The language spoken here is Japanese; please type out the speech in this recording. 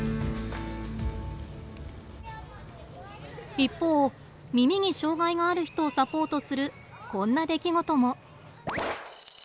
一方耳に障害がある人をサポートするこんな出来事も。